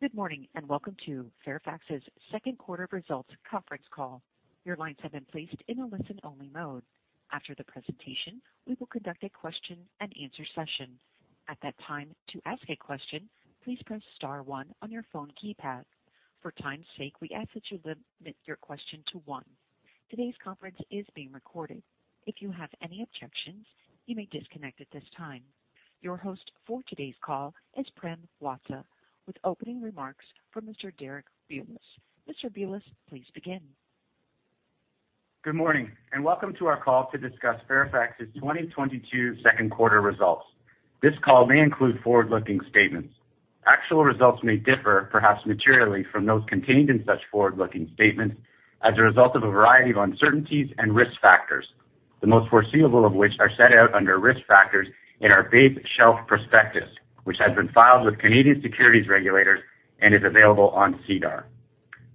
Good morning, and welcome to Fairfax's second quarter results conference call. Your lines have been placed in a listen-only mode. After the presentation, we will conduct a question-and-answer session. At that time, to ask a question, please press star one on your phone keypad. For time's sake, we ask that you limit your question to one. Today's conference is being recorded. If you have any objections, you may disconnect at this time. Your host for today's call is Prem Watsa, with opening remarks from Mr. Derek Bulas. Mr. Bulas, please begin. Good morning and welcome to our call to discuss Fairfax's 2022 second quarter results. This call may include forward-looking statements. Actual results may differ, perhaps materially, from those contained in such forward-looking statements as a result of a variety of uncertainties and risk factors, the most foreseeable of which are set out under risk factors in our base shelf prospectus, which has been filed with Canadian securities regulators and is available on SEDAR.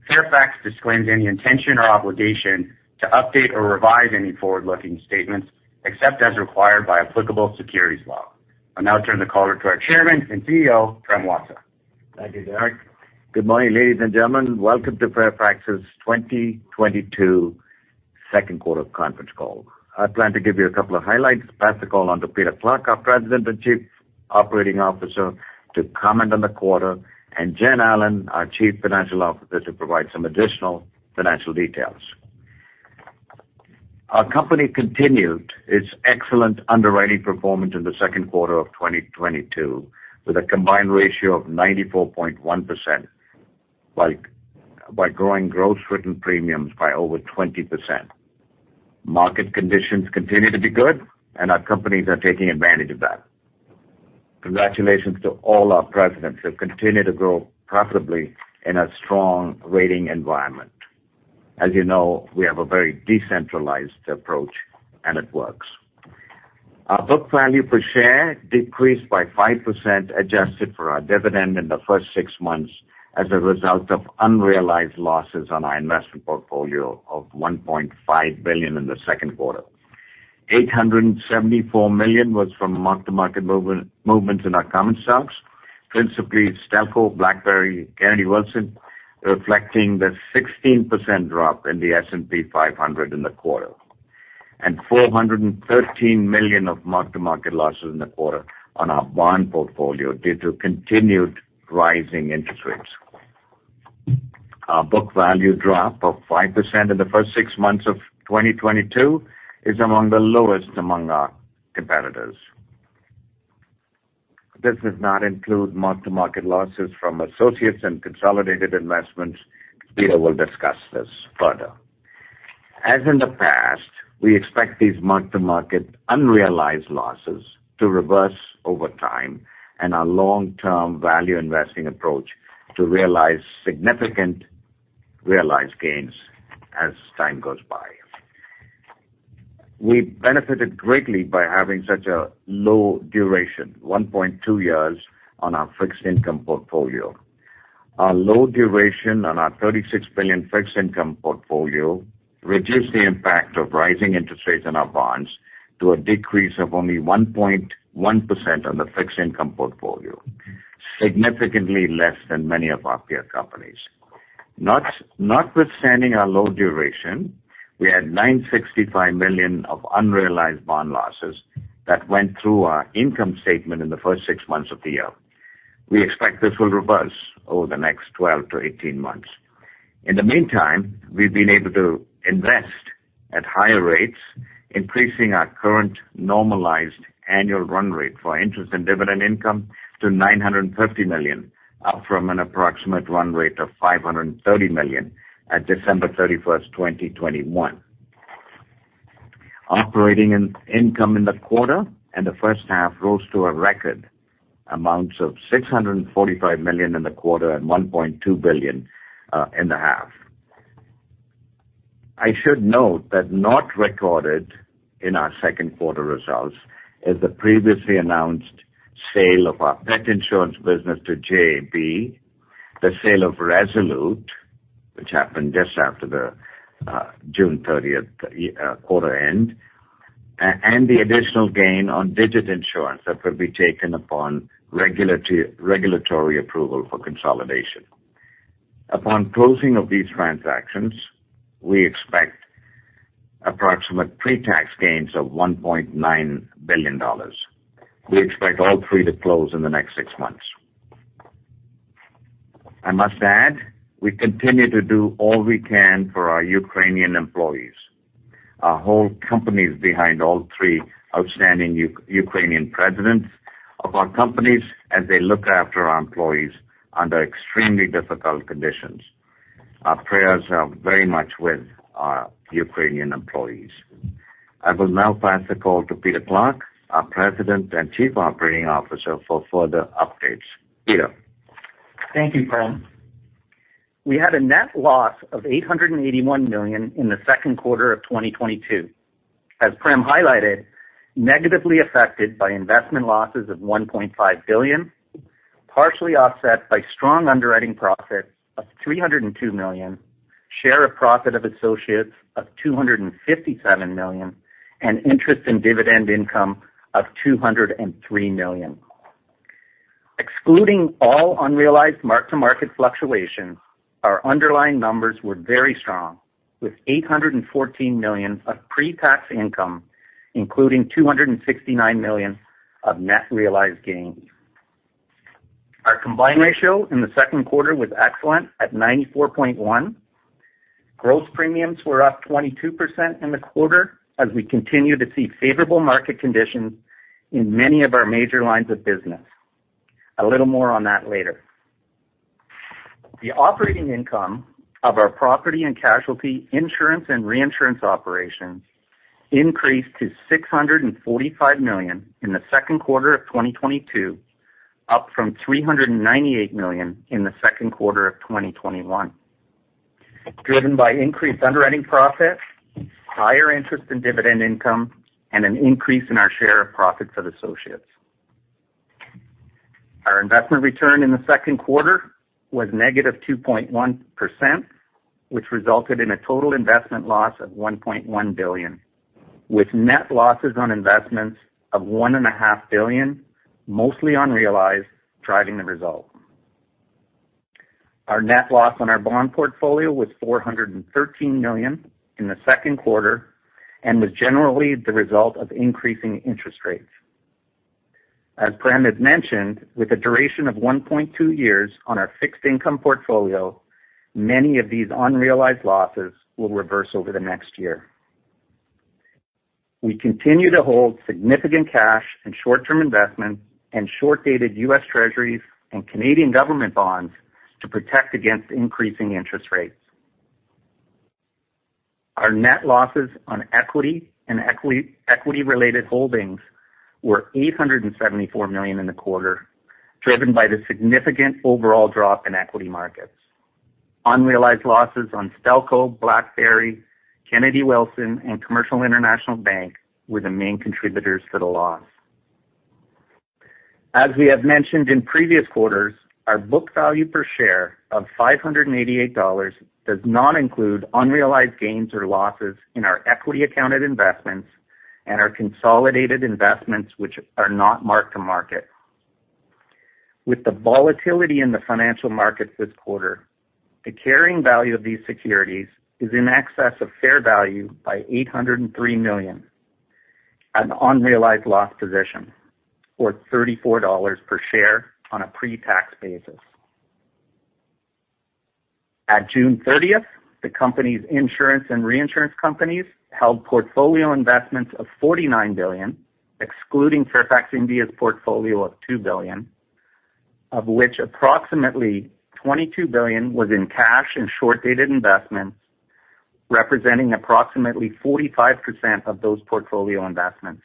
Fairfax disclaims any intention or obligation to update or revise any forward-looking statements, except as required by applicable securities law. I'll now turn the call over to our chairman and CEO, Prem Watsa. Thank you, Derek. Good morning, ladies and gentlemen. Welcome to Fairfax's 2022 second quarter conference call. I plan to give you a couple of highlights, pass the call on to Peter Clarke, our President and Chief Operating Officer, to comment on the quarter, and Jennifer Allen, our Chief Financial Officer, to provide some additional financial details. Our company continued its excellent underwriting performance in the second quarter of 2022, with a combined ratio of 94.1% by growing gross written premiums by over 20%. Market conditions continue to be good, and our companies are taking advantage of that. Congratulations to all our presidents who have continued to grow profitably in a strong rating environment. As you know, we have a very decentralized approach, and it works. Our book value per share decreased by 5% adjusted for our dividend in the first six months as a result of unrealized losses on our investment portfolio of $1.5 billion in the second quarter. $874 million was from mark-to-market movements in our common stocks, principally Stelco, BlackBerry, Kennedy Wilson, reflecting the 16% drop in the S&P 500 in the quarter. $413 million of mark-to-market losses in the quarter on our bond portfolio due to continued rising interest rates. Our book value drop of 5% in the first six months of 2022 is among the lowest among our competitors. This does not include mark-to-market losses from associates and consolidated investments. Peter will discuss this further. As in the past, we expect these mark-to-market unrealized losses to reverse over time and our long-term value investing approach to realize significant realized gains as time goes by. We benefited greatly by having such a low duration, 1.2 years, on our fixed income portfolio. Our low duration on our $36 billion fixed income portfolio reduced the impact of rising interest rates on our bonds to a decrease of only 1.1% on the fixed income portfolio, significantly less than many of our peer companies. Notwithstanding our low duration, we had $965 million of unrealized bond losses that went through our income statement in the first six months of the year. We expect this will reverse over the next 12-18 months. In the meantime, we've been able to invest at higher rates, increasing our current normalized annual run rate for interest and dividend income to $950 million, up from an approximate run rate of $530 million at December 31st, 2021. Operating income in the quarter and the first half rose to record amounts of $645 million in the quarter and $1.2 billion in the half. I should note that not recorded in our second quarter results is the previously announced sale of our pet insurance business to JAB, the sale of Resolute, which happened just after the June 30th quarter end, and the additional gain on Digit Insurance that will be taken upon regulatory approval for consolidation. Upon closing of these transactions, we expect approximate pre-tax gains of $1.9 billion. We expect all three to close in the next six months. I must add, we continue to do all we can for our Ukrainian employees. Our whole company is behind all three outstanding Ukrainian presidents of our companies as they look after our employees under extremely difficult conditions. Our prayers are very much with our Ukrainian employees. I will now pass the call to Peter Clarke, our President and Chief Operating Officer, for further updates. Peter. Thank you, Prem. We had a net loss of $881 million in the second quarter of 2022. As Prem highlighted, negatively affected by investment losses of $1.5 billion, partially offset by strong underwriting profits of $302 million, share of profit of associates of $257 million, and interest and dividend income of $203 million. Excluding all unrealized mark-to-market fluctuations, our underlying numbers were very strong, with $814 million of pre-tax income, including $269 million of net realized gains. Our combined ratio in the second quarter was excellent at 94.1. Gross premiums were up 22% in the quarter as we continue to see favorable market conditions in many of our major lines of business. A little more on that later. The operating income of our property and casualty insurance and reinsurance operations increased to $645 million in the second quarter of 2022, up from $398 million in the second quarter of 2021, driven by increased underwriting profits, higher interest and dividend income, and an increase in our share of profits of associates. Our investment return in the second quarter was -2.1%, which resulted in a total investment loss of $1.1 billion, with net losses on investments of $1.5 billion, mostly unrealized, driving the result. Our net loss on our bond portfolio was $413 million in the second quarter and was generally the result of increasing interest rates. As Prem has mentioned, with a duration of 1.2 years on our fixed income portfolio, many of these unrealized losses will reverse over the next year. We continue to hold significant cash and short-term investments and short-dated US Treasuries and Canadian government bonds to protect against increasing interest rates. Our net losses on equity and equity-related holdings were $874 million in the quarter, driven by the significant overall drop in equity markets. Unrealized losses on Stelco, BlackBerry, Kennedy Wilson, and Commercial International Bank were the main contributors for the loss. As we have mentioned in previous quarters, our book value per share of $588 does not include unrealized gains or losses in our equity accounted investments and our consolidated investments, which are not mark-to-market. With the volatility in the financial markets this quarter, the carrying value of these securities is in excess of fair value by $803 million, an unrealized loss position, or $34 per share on a pre-tax basis. At June 30th, the company's insurance and reinsurance companies held portfolio investments of $49 billion, excluding Fairfax India's portfolio of $2 billion, of which approximately $22 billion was in cash and short-dated investments, representing approximately 45% of those portfolio investments.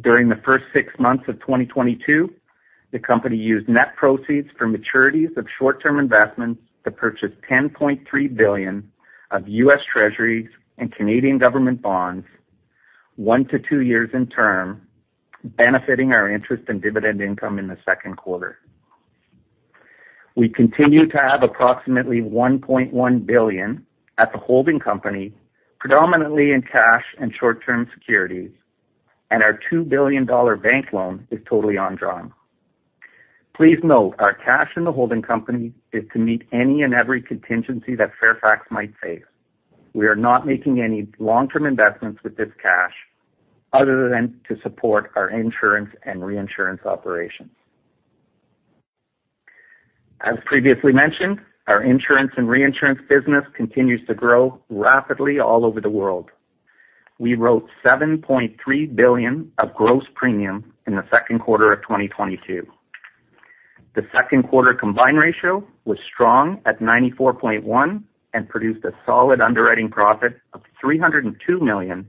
During the first six months of 2022, the company used net proceeds for maturities of short-term investments to purchase $10.3 billion of US Treasuries and Canadian government bonds, one to two years in term, benefiting our interest and dividend income in the second quarter. We continue to have approximately $1.1 billion at the holding company, predominantly in cash and short-term securities, and our $2 billion bank loan is totally undrawn. Please note our cash in the holding company is to meet any and every contingency that Fairfax might face. We are not making any long-term investments with this cash other than to support our insurance and reinsurance operations. As previously mentioned, our insurance and reinsurance business continues to grow rapidly all over the world. We wrote $7.3 billion of gross premium in the second quarter of 2022. The second quarter combined ratio was strong at 94.1 and produced a solid underwriting profit of $302 million,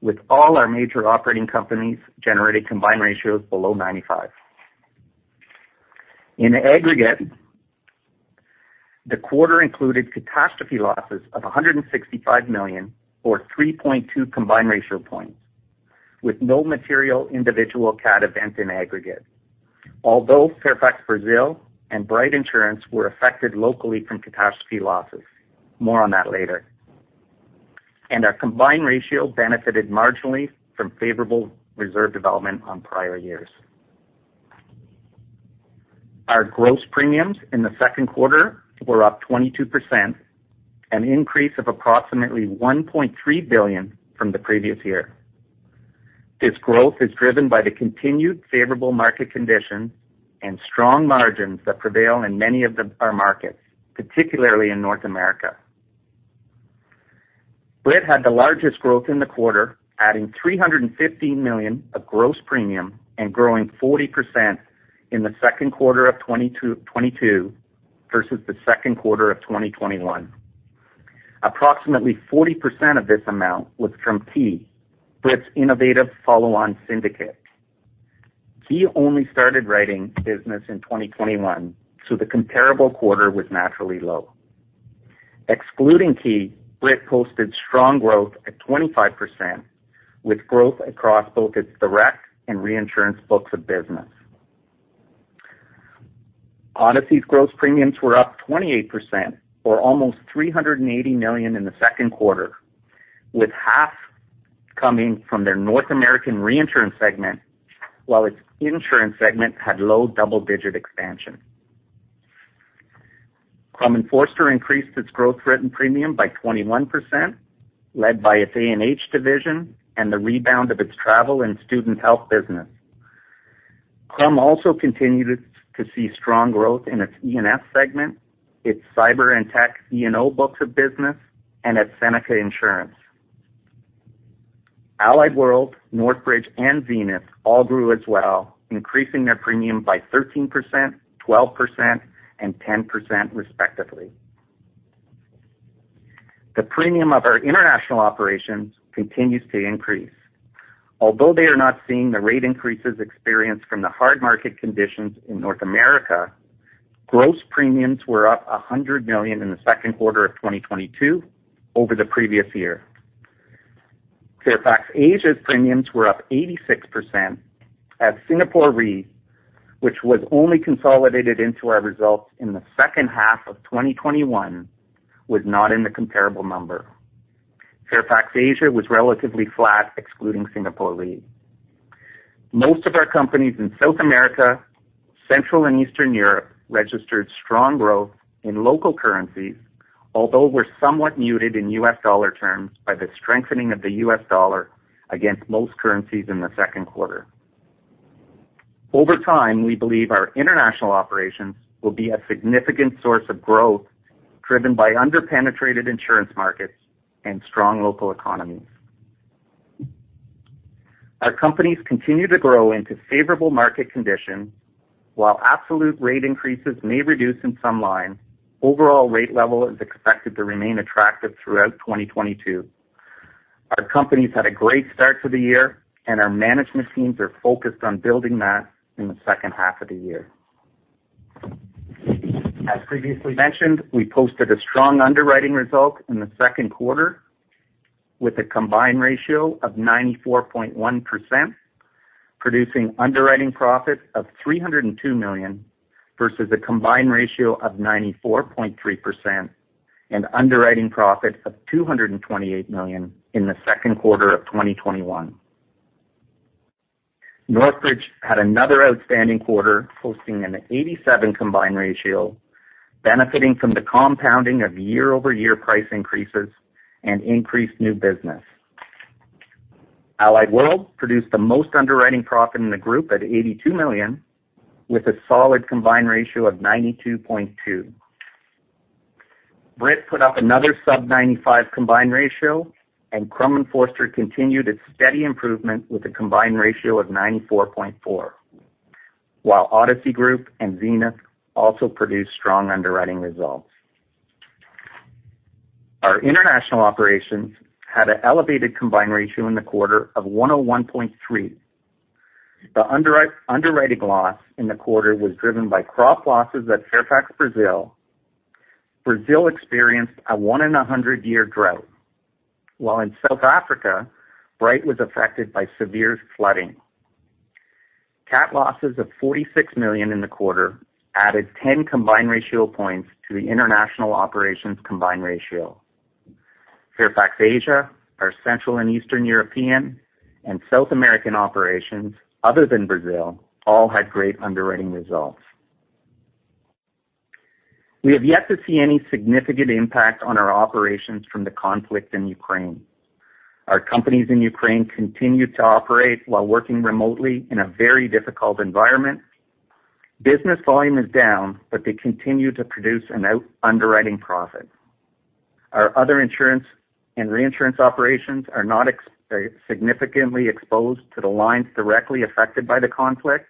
with all our major operating companies generating combined ratios below 95. In aggregate, the quarter included catastrophe losses of $165 million or 3.2 combined ratio points, with no material individual cat event in aggregate. Although Fairfax Brasil and Bryte Insurance were affected locally from catastrophe losses. More on that later. Our combined ratio benefited marginally from favorable reserve development on prior years. Our gross premiums in the second quarter were up 22%, an increase of approximately $1.3 billion from the previous year. This growth is driven by the continued favorable market conditions and strong margins that prevail in many of our markets, particularly in North America. Brit had the largest growth in the quarter, adding $315 million of gross premium and growing 40% in the second quarter of 2022 versus the second quarter of 2021. Approximately 40% of this amount was from Ki, Brit's innovative follow-on syndicate. Ki only started writing business in 2021, so the comparable quarter was naturally low. Excluding Ki, Brit posted strong growth at 25%, with growth across both its direct and reinsurance books of business. Odyssey's gross premiums were up 28% or almost $380 million in the second quarter, with half coming from their North American reinsurance segment, while its insurance segment had low double-digit expansion. Crum & Forster increased its gross written premium by 21%, led by its A&H division and the rebound of its travel and student health business. Crum also continued to see strong growth in its E&S segment, its cyber and tech E&O books of business, and its Seneca Insurance. Allied World, Northbridge, and Zenith all grew as well, increasing their premium by 13%, 12%, and 10% respectively. The premium of our international operations continues to increase. Although they are not seeing the rate increases experienced from the hard market conditions in North America, gross premiums were up $100 million in the second quarter of 2022 over the previous year. Fairfax Asia's premiums were up 86% as Singapore Re, which was only consolidated into our results in the second half of 2021, was not in the comparable number. Fairfax Asia was relatively flat, excluding Singapore Re. Most of our companies in South America, Central and Eastern Europe registered strong growth in local currencies, although were somewhat muted in US dollar terms by the strengthening of the US dollar against most currencies in the second quarter. Over time, we believe our international operations will be a significant source of growth, driven by under-penetrated insurance markets and strong local economies. Our companies continue to grow into favorable market conditions. While absolute rate increases may reduce in some lines, overall rate level is expected to remain attractive throughout 2022. Our companies had a great start to the year, and our management teams are focused on building that in the second half of the year. As previously mentioned, we posted a strong underwriting result in the second quarter with a combined ratio of 94.1%, producing underwriting profits of $302 million versus a combined ratio of 94.3% and underwriting profits of $228 million in the second quarter of 2021. Northbridge had another outstanding quarter, posting an 87 combined ratio, benefiting from the compounding of year-over-year price increases and increased new business. Allied World produced the most underwriting profit in the group at $82 million, with a solid combined ratio of 92.2. Brit put up another sub-95 combined ratio, and Crum & Forster continued its steady improvement with a combined ratio of 94.4. While Odyssey Group and Zenith also produced strong underwriting results. Our international operations had an elevated combined ratio in the quarter of 101.3. The underwriting loss in the quarter was driven by crop losses at Fairfax Brasil. Brazil experienced a one-in-100-year drought, while in South Africa, Bryte was affected by severe flooding. Cat losses of $46 million in the quarter added 10 combined ratio points to the international operations combined ratio. Fairfax Asia, our Central and Eastern European and South American operations, other than Brazil, all had great underwriting results. We have yet to see any significant impact on our operations from the conflict in Ukraine. Our companies in Ukraine continue to operate while working remotely in a very difficult environment. Business volume is down, but they continue to produce an underwriting profit. Our other insurance and reinsurance operations are not significantly exposed to the lines directly affected by the conflict,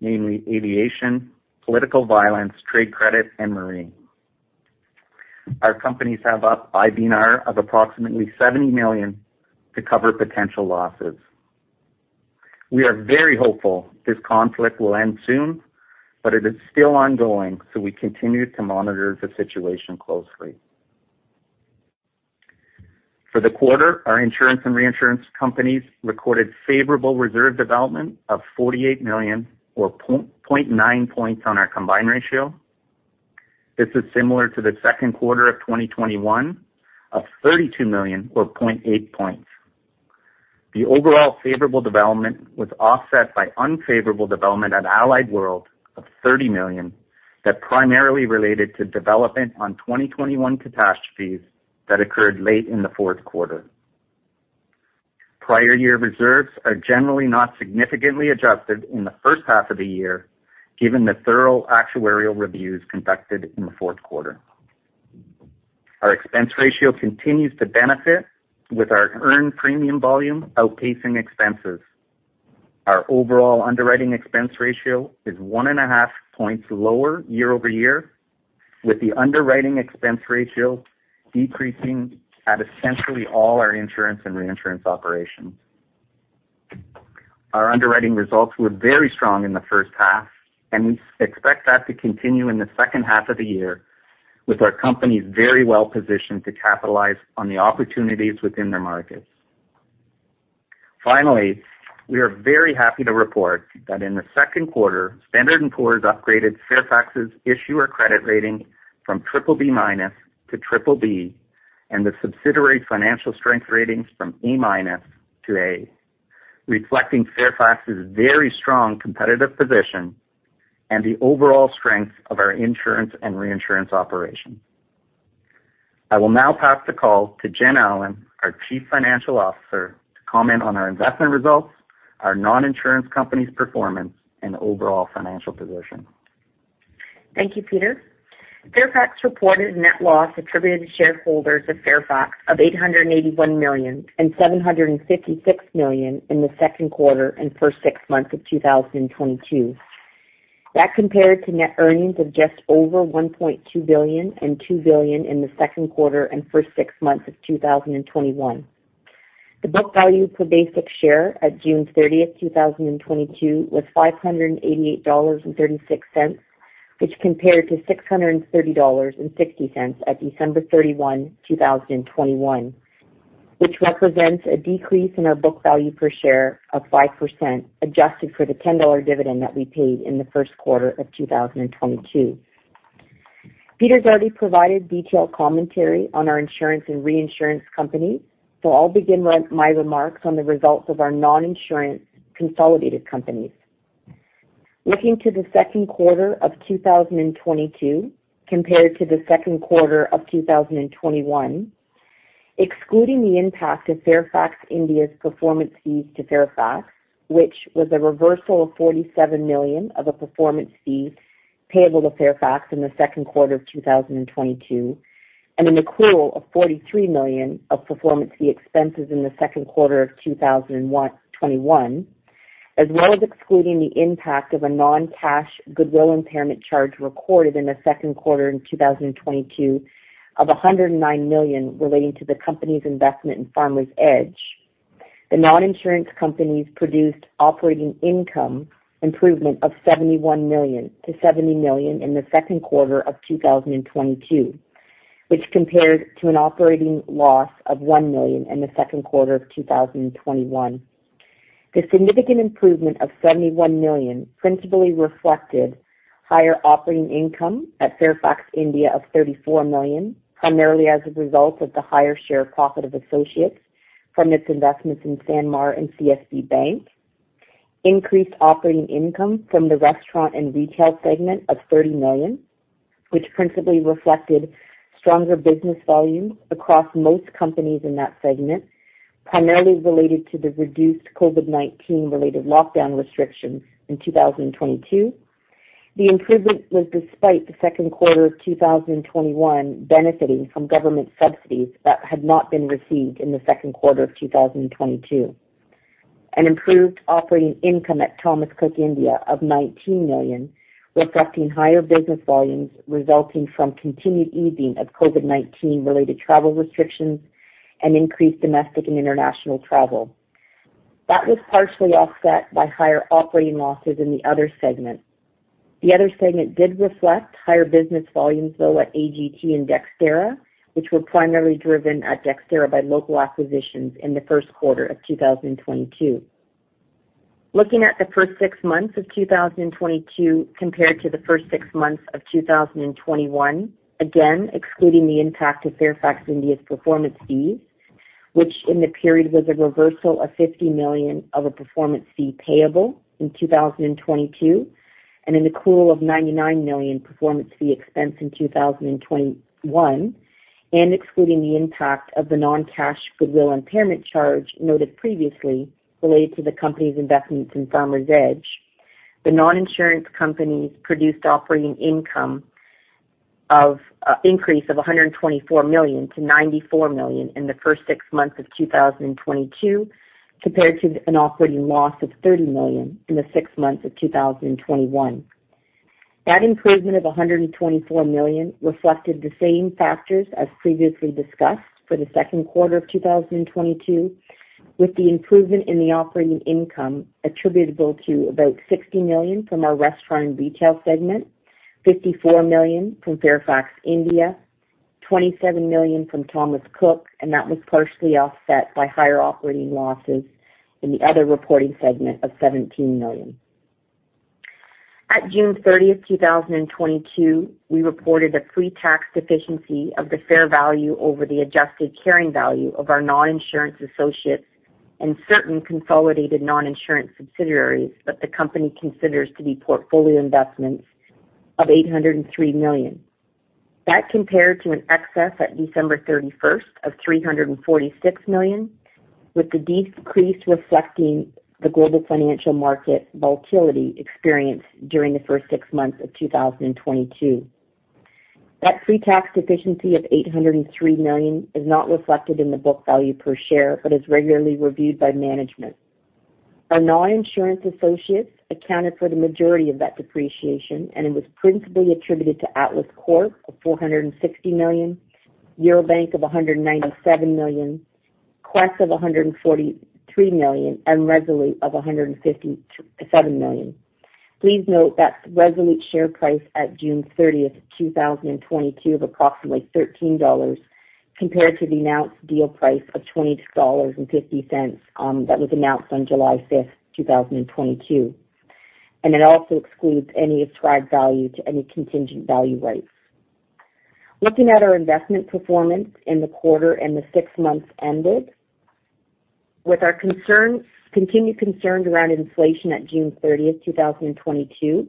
namely aviation, political violence, trade credit, and marine. Our companies have an IBNR of approximately $70 million to cover potential losses. We are very hopeful this conflict will end soon, but it is still ongoing, so we continue to monitor the situation closely. For the quarter, our insurance and reinsurance companies recorded favorable reserve development of $48 million or 0.9 points on our combined ratio. This is similar to the second quarter of 2021 of $32 million or 0.8 points. The overall favorable development was offset by unfavorable development at Allied World of $30 million that primarily related to development on 2021 catastrophes that occurred late in the fourth quarter. Prior year reserves are generally not significantly adjusted in the first half of the year, given the thorough actuarial reviews conducted in the fourth quarter. Our expense ratio continues to benefit with our earned premium volume outpacing expenses. Our overall underwriting expense ratio is 1.5 points lower year-over-year, with the underwriting expense ratio decreasing at essentially all our insurance and reinsurance operations. Our underwriting results were very strong in the first half, and we expect that to continue in the second half of the year with our companies very well positioned to capitalize on the opportunities within their markets. Finally, we are very happy to report that in the second quarter, Standard & Poor's upgraded Fairfax's issuer credit rating from triple B- to triple B and the subsidiary financial strength ratings from A- to A, reflecting Fairfax's very strong competitive position and the overall strength of our insurance and reinsurance operations. I will now pass the call to Jennifer Allen, our Chief Financial Officer, to comment on our investment results, our non-insurance companies' performance, and overall financial position. Thank you, Peter. Fairfax reported net loss attributed to shareholders of Fairfax of $881 million and $756 million in the second quarter and first six months of 2022. That compared to net earnings of just over $1.2 billion and $2 billion in the second quarter and first six months of 2021. The book value per basic share at June 30, 2022 was $588.36, which compared to $630.60 at December 31, 2021, which represents a decrease in our book value per share of 5%, adjusted for the $10 dividend that we paid in the first quarter of 2022. Peter has already provided detailed commentary on our insurance and reinsurance company. I'll begin my remarks on the results of our non-insurance consolidated companies. Looking to the second quarter of 2022 compared to the second quarter of 2021, excluding the impact of Fairfax India's performance fees to Fairfax, which was a reversal of $47 million of a performance fee payable to Fairfax in the second quarter of 2022, and an accrual of $43 million of performance fee expenses in the second quarter of 2021, as well as excluding the impact of a non-cash goodwill impairment charge recorded in the second quarter in 2022 of $109 million relating to the company's investment in Farmers Edge. The non-insurance companies produced operating income improvement of $71 million-$70 million in the second quarter of 2022, which compares to an operating loss of $1 million in the second quarter of 2021. The significant improvement of $71 million principally reflected higher operating income at Fairfax India of $34 million, primarily as a result of the higher share of profit of associates from its investments in Sanmar and CSB Bank. Increased operating income from the restaurant and retail segment of $30 million, which principally reflected stronger business volumes across most companies in that segment, primarily related to the reduced COVID-19 related lockdown restrictions in 2022. The improvement was despite the second quarter of 2021 benefiting from government subsidies that had not been received in the second quarter of 2022. An improved operating income at Thomas Cook (India) Limited of $19 million, reflecting higher business volumes resulting from continued easing of COVID-19 related travel restrictions and increased domestic and international travel. That was partially offset by higher operating losses in the other segment. The other segment did reflect higher business volumes, though, at AGT and Dexterra, which were primarily driven at Dexterra by local acquisitions in the first quarter of 2022. Looking at the first six months of 2022 compared to the first six months of 2021, again, excluding the impact of Fairfax India's performance fees, which in the period was a reversal of $50 million of a performance fee payable in 2022 and an accrual of $99 million performance fee expense in 2021, and excluding the impact of the non-cash goodwill impairment charge noted previously related to the company's investments in Farmers Edge. The non-insurance companies produced operating income of increase of $124 million-$94 million in the first six months of 2022 compared to an operating loss of $30 million in the six months of 2021. That improvement of $124 million reflected the same factors as previously discussed for the second quarter of 2022, with the improvement in the operating income attributable to about $60 million from our restaurant and retail segment, $54 million from Fairfax India, $27 million from Thomas Cook, and that was partially offset by higher operating losses in the other reporting segment of $17 million. At June 30, 2022, we reported a pre-tax deficiency of the fair value over the adjusted carrying value of our non-insurance associates and certain consolidated non-insurance subsidiaries that the company considers to be portfolio investments of $803 million. That compared to an excess at December 31st of $346 million, with the decrease reflecting the global financial market volatility experienced during the first six months of 2022. That pre-tax deficiency of $803 million is not reflected in the book value per share, but is regularly reviewed by management. Our non-insurance associates accounted for the majority of that depreciation, and it was principally attributed to Atlas Corp. of $460 million, Eurobank of $197 million, Quess of $143 million, and Resolute of $157 million. Please note that Resolute share price at June 30, 2022 of approximately $13 compared to the announced deal price of $22.50, that was announced on July 5th, 2022. It also excludes any ascribed value to any contingent value rights. Looking at our investment performance in the quarter and the six months ended. With our continued concerns around inflation at June 30, 2022,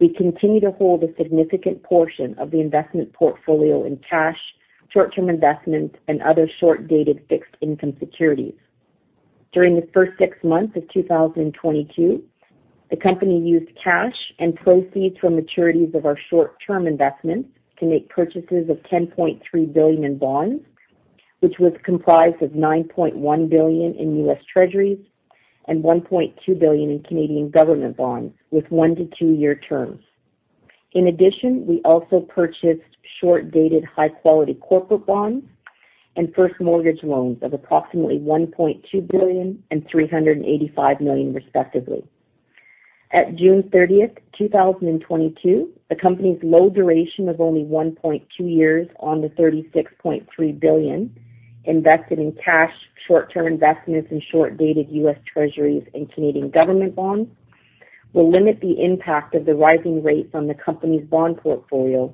we continue to hold a significant portion of the investment portfolio in cash, short-term investments, and other short-dated fixed income securities. During the first six months of 2022, the company used cash and proceeds from maturities of our short-term investments to make purchases of $10.3 billion in bonds, which was comprised of $9.1 billion in US Treasuries and $1.2 billion in Canadian government bonds with one to two-year terms. In addition, we also purchased short-dated, high-quality corporate bonds and first mortgage loans of approximately $1.2 billion and $385 million, respectively. At June 30th, 2022, the company's low duration of only 1.2 years on the $36.3 billion invested in cash, short-term investments, and short-dated US Treasuries and Canadian government bonds will limit the impact of the rising rates on the company's bond portfolio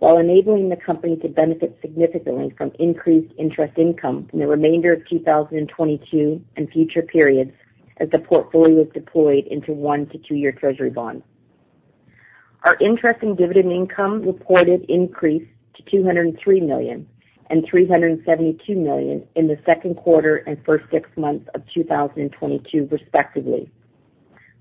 while enabling the company to benefit significantly from increased interest income in the remainder of 2022 and future periods as the portfolio is deployed into one to two-year Treasury bonds. Our interest and dividend income reported increased to $203 million and $372 million in the second quarter and first six months of 2022, respectively,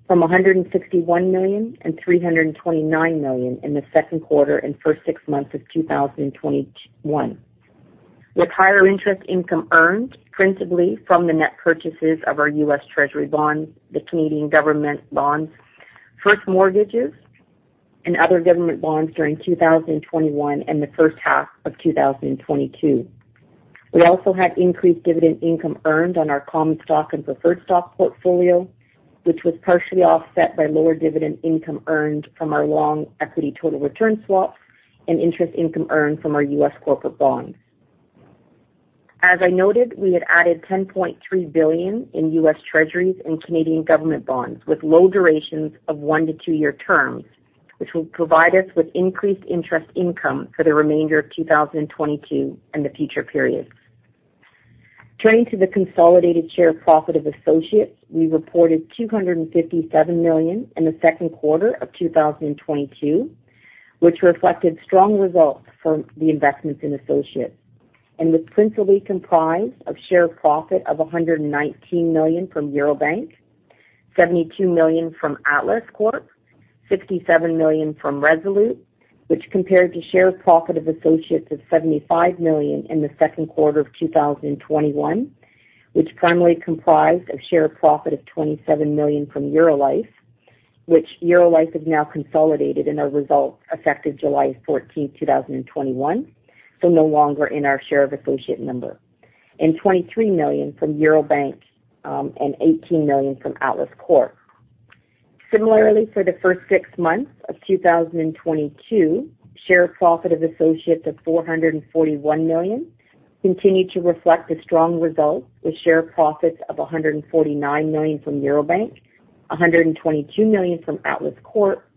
from $161 million and $329 million in the second quarter and first six months of 2021. With higher interest income earned principally from the net purchases of our US Treasuries, the Canadian government bonds, first mortgages, and other government bonds during 2021 and the first half of 2022. We also had increased dividend income earned on our common stock and preferred stock portfolio, which was partially offset by lower dividend income earned from our long equity total return swaps and interest income earned from our US corporate bonds. As I noted, we had added $10.3 billion in US Treasuries and Canadian government bonds with low durations of one to two-year terms, which will provide us with increased interest income for the remainder of 2022 and the future periods. Turning to the consolidated share of profit of associates. We reported $257 million in the second quarter of 2022, which reflected strong results from the investments in associates, and was principally comprised of share profit of $119 million from Eurobank, $72 million from Atlas Corp., $67 million from Resolute, which compared to share profit of associates of $75 million in the second quarter of 2021. Which primarily comprised a share profit of $27 million from Eurolife, which Eurolife has now consolidated in our results effective July 14th, 2021, so no longer in our share of associate number. $23 million from Eurobank, and $18 million from Atlas Corp. Similarly, for the first six months of 2022, share profit of associates of $441 million continued to reflect a strong result with share profits of $149 million from Eurobank, $122 million from Atlas Corp,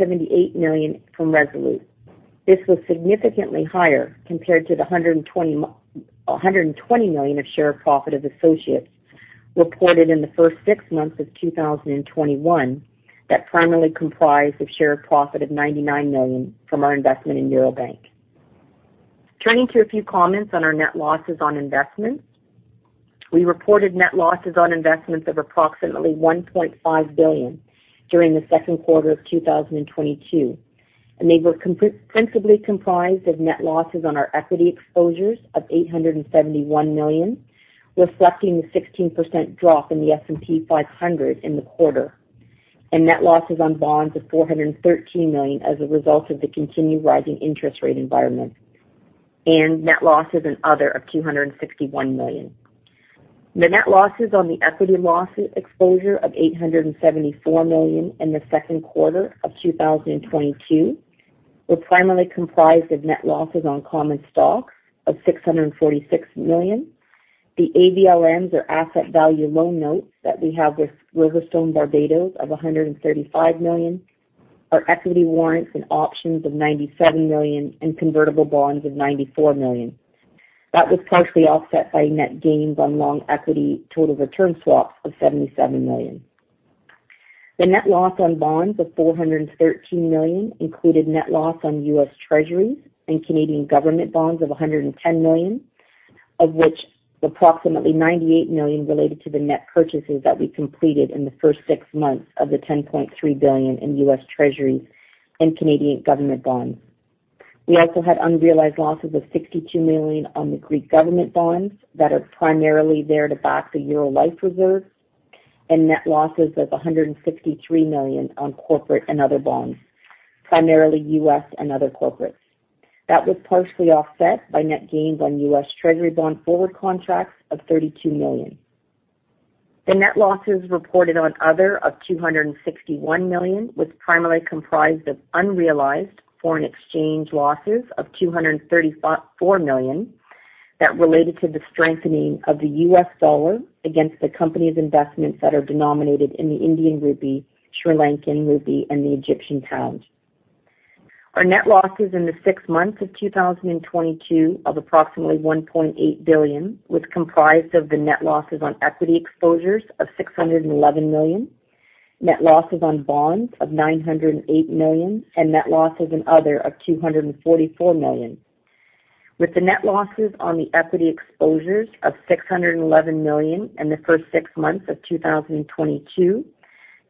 $78 million from Resolute. This was significantly higher compared to a 120 million of share profit of associates reported in the first six months of 2021 that primarily comprised of share profit of $99 million from our investment in Eurobank. Turning to a few comments on our net losses on investments. We reported net losses on investments of approximately $1.5 billion during the second quarter of 2022, and they were principally comprised of net losses on our equity exposures of $871 million, reflecting the 16% drop in the S&P 500 in the quarter. Net losses on bonds of $413 million as a result of the continued rising interest rate environment. Net losses and other of $261 million. The net losses on the equity exposure of $874 million in the second quarter of 2022 were primarily comprised of net losses on common stock of $646 million. The AVLNs or asset value loan notes that we have with RiverStone Barbados of $135 million, our equity warrants and options of $97 million, and convertible bonds of $94 million. That was partially offset by net gains on long equity total return swaps of $77 million. The net loss on bonds of $413 million included net loss on US Treasuries and Canadian government bonds of $110 million, of which approximately $98 million related to the net purchases that we completed in the first six months of the $10.3 billion in US Treasuries and Canadian government bonds. We also had unrealized losses of $62 million on the Greek government bonds that are primarily there to back the Eurolife reserve, and net losses of $163 million on corporate and other bonds, primarily US and other corporates. That was partially offset by net gains on U.S. Treasury bond forward contracts of $32 million. The net losses reported on other of $261 million was primarily comprised of unrealized foreign exchange losses of $234 million that related to the strengthening of the US dollar against the company's investments that are denominated in the Indian rupee, Sri Lankan rupee, and the Egyptian pound. Our net losses in the six months of 2022 of approximately $1.8 billion was comprised of the net losses on equity exposures of $611 million, net losses on bonds of $908 million, and net losses in other of $244 million. With the net losses on the equity exposures of $611 million in the first six months of 2022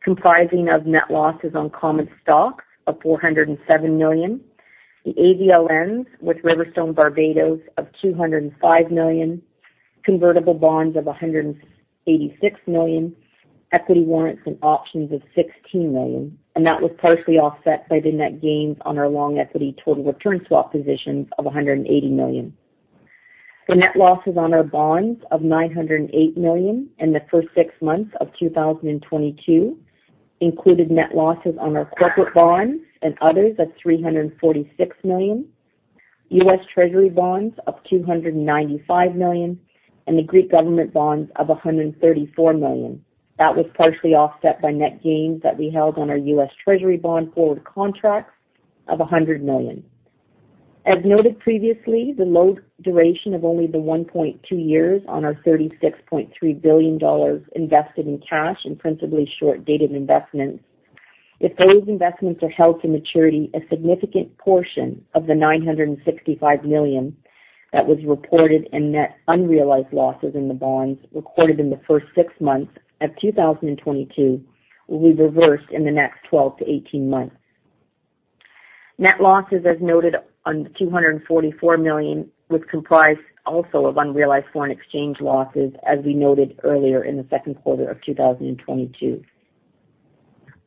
comprising of net losses on common stock of $407 million, the AVLNs with RiverStone Barbados of $205 million, convertible bonds of $186 million, equity warrants and options of $16 million, and that was partially offset by the net gains on our long equity total return swap positions of $180 million. The net losses on our bonds of $908 million in the first six months of 2022 included net losses on our corporate bonds and others of $346 million, U.S. Treasury bonds of $295 million, and the Greek government bonds of $134 million. That was partially offset by net gains that we held on our U.S. Treasury bond forward contracts of $100 million. As noted previously, the low duration of only 1.2 years on our $36.3 billion invested in cash and principally short dated investments. If those investments are held to maturity, a significant portion of the $965 million that was reported in net unrealized losses in the bonds recorded in the first six months of 2022 will be reversed in the next 12-18 months. Net losses, as noted on the $244 million, was comprised also of unrealized foreign exchange losses, as we noted earlier in the second quarter of 2022.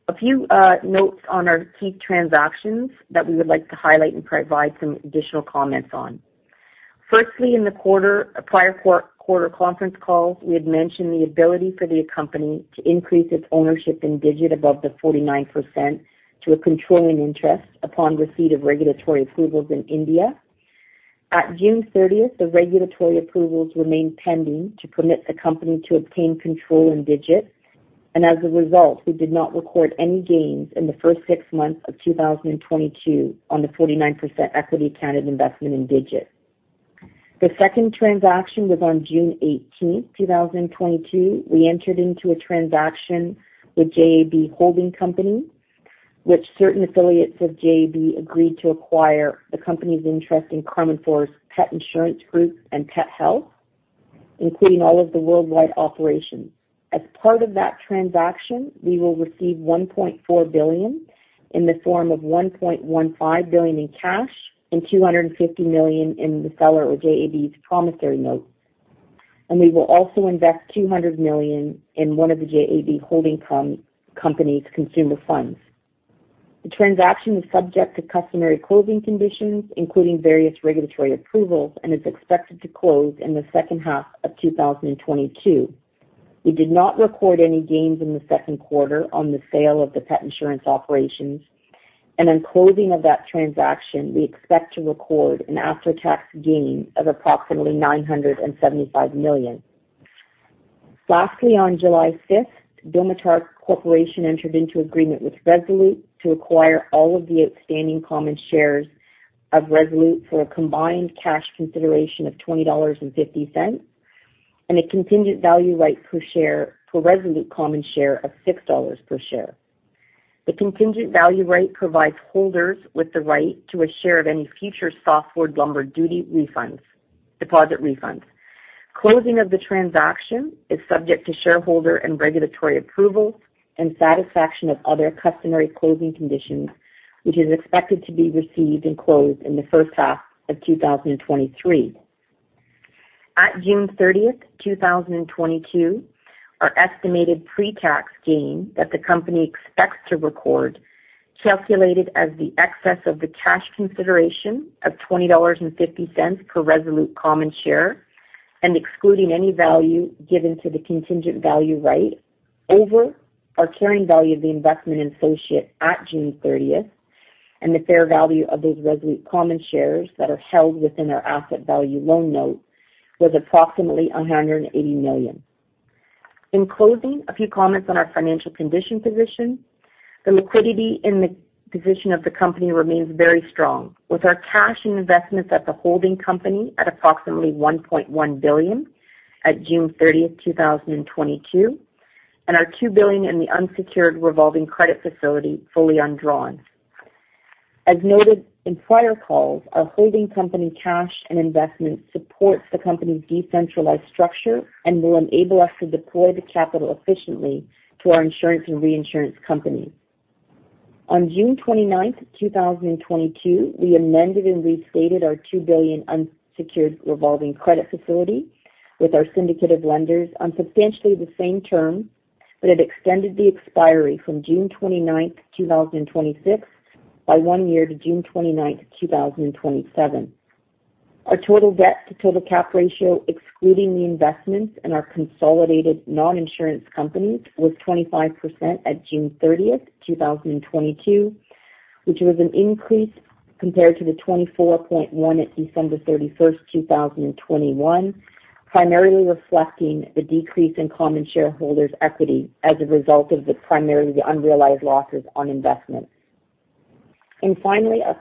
A few notes on our key transactions that we would like to highlight and provide some additional comments on. Firstly, in the prior quarter conference calls, we had mentioned the ability for the company to increase its ownership in Digit above the 49% to a controlling interest upon receipt of regulatory approvals in India. At June 30th, the regulatory approvals remained pending to permit the company to obtain control in Digit, and as a result, we did not record any gains in the first six months of 2022 on the 49% equity-accounted investment in Digit. The second transaction was on June 18, 2022. We entered into a transaction with JAB Holding Company, which certain affiliates of JAB agreed to acquire the company's interest in Crum & Forster Pet Insurance Group and Pethealth, including all of the worldwide operations. As part of that transaction, we will receive $1.4 billion in the form of $1.15 billion in cash and $250 million in the seller or JAB's promissory note. We will also invest $200 million in one of the JAB Holding Company's consumer funds. The transaction is subject to customary closing conditions, including various regulatory approvals, and is expected to close in the second half of 2022. We did not record any gains in the second quarter on the sale of the pet insurance operations, and on closing of that transaction, we expect to record an after-tax gain of approximately $975 million. Lastly, on July 5th, Domtar Corporation entered into agreement with Resolute to acquire all of the outstanding common shares of Resolute for a combined cash consideration of $20.50, and a contingent value right per share, per Resolute common share, of $6 per share. The contingent value right provides holders with the right to a share of any future softwood lumber duty refunds, deposit refunds. Closing of the transaction is subject to shareholder and regulatory approvals and satisfaction of other customary closing conditions, which is expected to be received and closed in the first half of 2023. At June 30th, 2022, our estimated pre-tax gain that the company expects to record, calculated as the excess of the cash consideration of $20.50 per Resolute common share and excluding any value given to the contingent value right over our carrying value of the investment in associate at June 30th and the fair value of those Resolute common shares that are held within our Asset Value Loan Note, was approximately $180 million. In closing, a few comments on our financial condition and position. The liquidity and the position of the company remains very strong, with our cash and investments at the holding company at approximately $1.1 billion at June 30, 2022, and our $2 billion in the unsecured revolving credit facility fully undrawn. As noted in prior calls, our holding company cash and investment supports the company's decentralized structure and will enable us to deploy the capital efficiently to our insurance and reinsurance companies. On June 29th, 2022, we amended and restated our $2 billion unsecured revolving credit facility with our syndicate lenders on substantially the same terms. It extended the expiry from June 29th, 2026 by one year to June 29th, 2027. Our total debt to total capital ratio, excluding the investments in our consolidated non-insurance companies, was 25% at June 30th, 2022, which was an increase compared to the 24.1% at December 31st, 2021, primarily reflecting the decrease in common shareholders' equity as a result of the unrealized losses on investments. Finally, a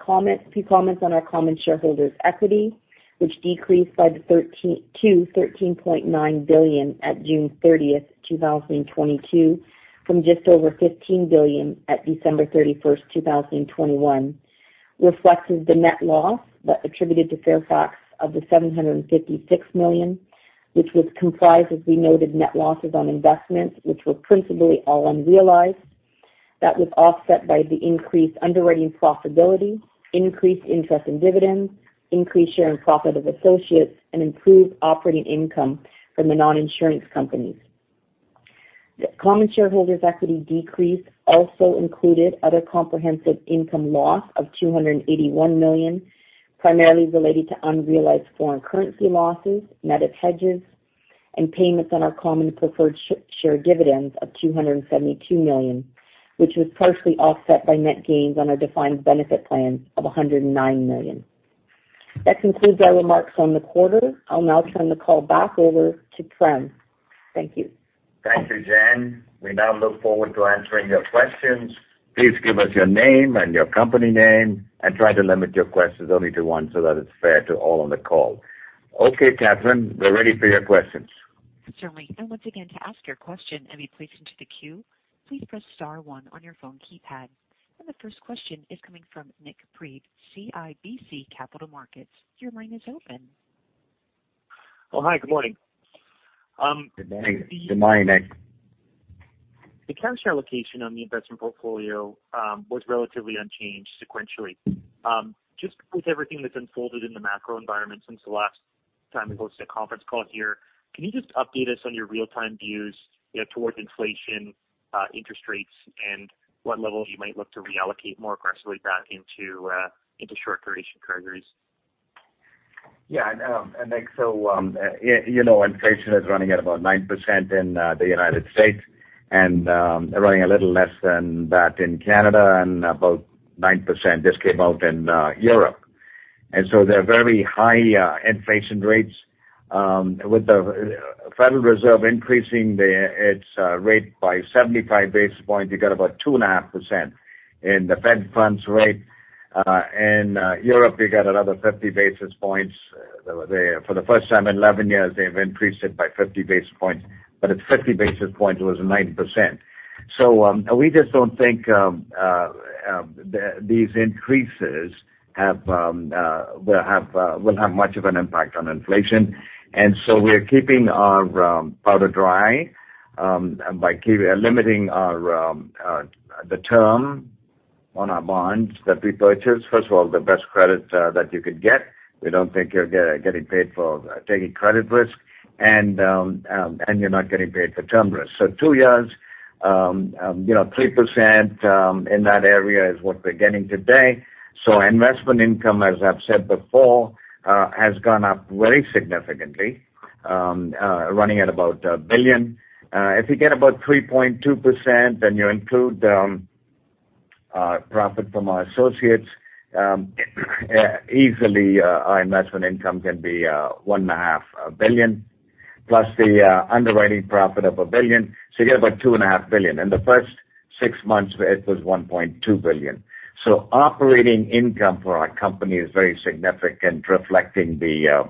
few comments on our common shareholders' equity, which decreased to $13.9 billion at June 30th, 2022, from just over $15 billion at December 31st, 2021, reflecting the net loss that is attributable to Fairfax of $756 million, which was comprised, as we noted, net losses on investments, which were principally all unrealized. That was offset by the increased underwriting profitability, increased interest and dividends, increased share in profit of associates, and improved operating income from the non-insurance companies. The common shareholders' equity decrease also included other comprehensive income loss of $281 million, primarily related to unrealized foreign currency losses, net of hedges and payments on our common preferred share dividends of $272 million, which was partially offset by net gains on our defined benefit plan of $109 million. That concludes our remarks on the quarter. I'll now turn the call back over to Prem. Thank you. Thank you, Jen. We now look forward to answering your questions. Please give us your name and your company name, and try to limit your questions only to one so that it's fair to all on the call. Okay, Catherine, we're ready for your questions. Certainly. Once again, to ask your question and be placed into the queue, please press star one on your phone keypad. The first question is coming from Nik Priebe, CIBC Capital Markets. Your line is open. Well, hi, good morning. Good morning. Good morning, Nik. The cash allocation on the investment portfolio was relatively unchanged sequentially. Just with everything that's unfolded in the macro environment since the last time we hosted a conference call here, can you just update us on your real-time views, you know, towards inflation, interest rates, and what levels you might look to reallocate more aggressively back into short duration currencies? Yeah, I know, Nik. You know, inflation is running at about 9% in the United States and running a little less than that in Canada and about 9% just came out in Europe. They're very high inflation rates with the Federal Reserve increasing its rate by 75 basis points. You got about 2.5% in the Fed funds rate. In Europe, you got another 50 basis points. For the first time in 11 years, they've increased it by 50 basis points, but it's 50 basis points was 9%. We just don't think these increases will have much of an impact on inflation. We are keeping our powder dry by limiting the term on our bonds that we purchase. First of all, the best credit that you could get, we don't think you're getting paid for taking credit risk, and you're not getting paid for term risk. Two years, you know, 3% in that area is what we're getting today. Investment income, as I've said before, has gone up very significantly, running at about $1 billion. If you get about 3.2%, then you include profit from our associates, easily our investment income can be $1.5 billion, plus the underwriting profit of $1 billion. You get about $2.5 billion. In the first six months, it was $1.2 billion. Operating income for our company is very significant, reflecting the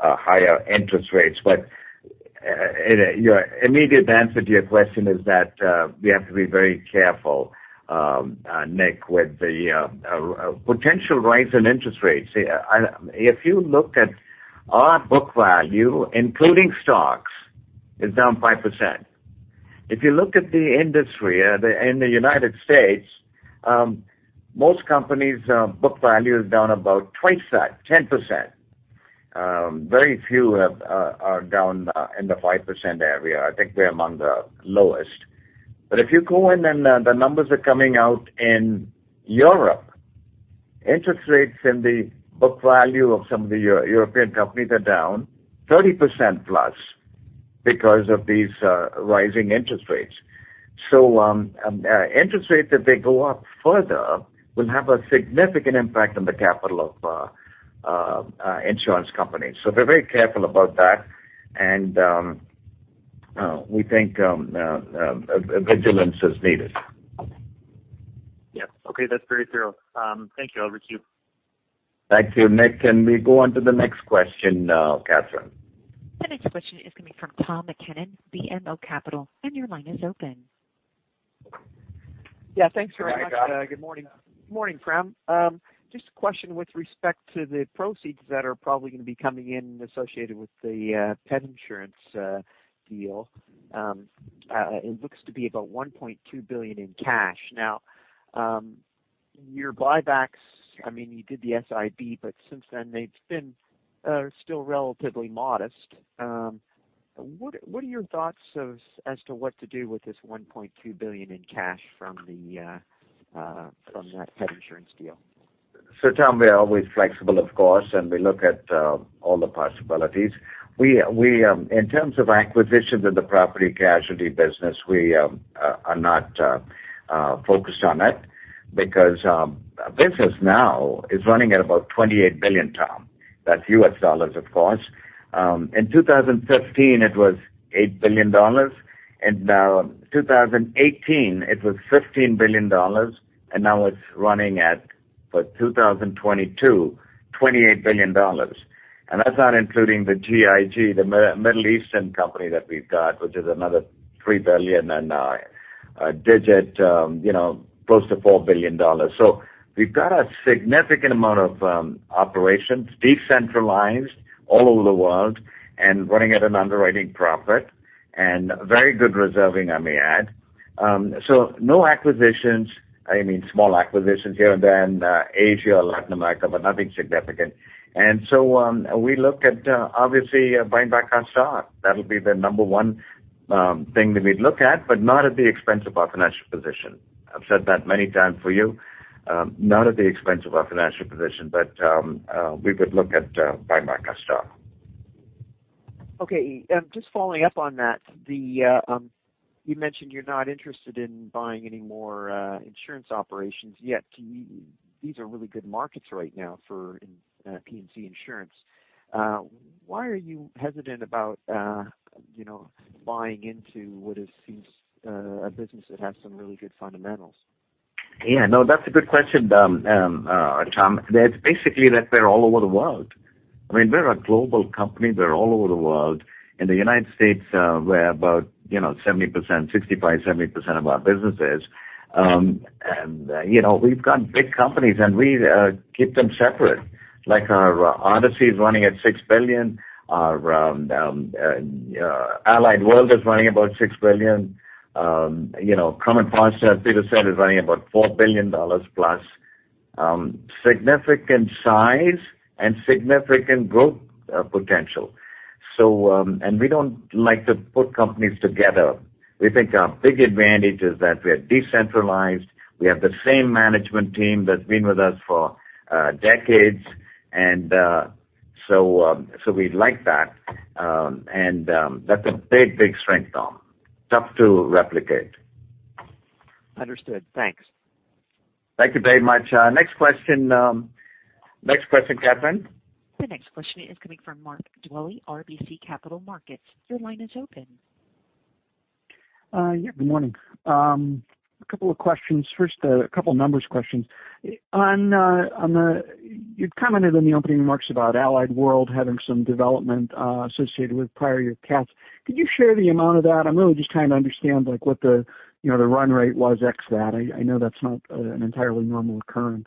higher interest rates. You know, immediate answer to your question is that we have to be very careful, Nick, with the potential rise in interest rates. I, if you look at our book value, including stocks, is down 5%. If you look at the industry in the United States, most companies book value is down about twice that, 10%. Very few are down in the 5% area. I think we're among the lowest. If you go in and the numbers are coming out in Europe, interest rates in the book value of some of the European companies are down 30%+ because of these rising interest rates. Interest rates, if they go up further, will have a significant impact on the capital of insurance companies. We're very careful about that. We think vigilance is needed. Yeah. Okay. That's very thorough. Thank you. I'll let you. Thank you, Nick. Can we go on to the next question now, Catherine? The next question is coming from Tom MacKinnon, BMO Capital Markets, and your line is open. Yeah, thanks very much. Hi, Tom. Good morning. Good morning, Prem. Just a question with respect to the proceeds that are probably gonna be coming in associated with the pet insurance deal. It looks to be about $1.2 billion in cash. Now, Your buybacks, I mean, you did the SIB, but since then they've been still relatively modest. What are your thoughts as to what to do with this $1.2 billion in cash from that pet insurance deal? Tom, we are always flexible, of course, and we look at all the possibilities. We in terms of acquisitions in the property casualty business are not focused on it because business now is running at about $28 billion, Tom. That's US dollars, of course. In 2015, it was $8 billion, and in 2018 it was $15 billion, and now it's running at, for 2022, $28 billion. That's not including the GIG, the Middle Eastern company that we've got, which is another $3 billion and a digit, you know, close to $4 billion. We've got a significant amount of operations, decentralized all over the world and running at an underwriting profit and very good reserving, I may add. No acquisitions. I mean, small acquisitions here and there in Asia or Latin America, but nothing significant. We look at obviously buying back our stock. That'll be the number one thing that we'd look at, but not at the expense of our financial position. I've said that many times for you, not at the expense of our financial position, but we would look at buying back our stock. Okay. Just following up on that, you mentioned you're not interested in buying any more insurance operations yet. These are really good markets right now for P&C insurance. Why are you hesitant about, you know, buying into what it seems a business that has some really good fundamentals? Yeah. No, that's a good question, Tom. That's basically that they're all over the world. I mean, we're a global company. We're all over the world. In the United States, we're about 70%, 65%-70% of our businesses. We've got big companies, and we keep them separate. Like our Odyssey is running at $6 billion. Our Allied World is running about $6 billion. Crum & Forster, as Peter said, is running about $4 billion plus. Significant size and significant growth potential. We don't like to put companies together. We think our big advantage is that we're decentralized. We have the same management team that's been with us for decades. We like that. That's a big strength, Tom. Tough to replicate. Understood. Thanks. Thank you very much. Next question, Catherine. The next question is coming from Mark Dwelle, RBC Capital Markets. Your line is open. Yeah, good morning. A couple of questions. First, a couple numbers questions. On, you commented in the opening remarks about Allied World having some development associated with prior year cats. Could you share the amount of that? I'm really just trying to understand like what the, you know, the run rate was ex that. I know that's not an entirely normal occurrence.